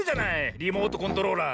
リモートコントローラー。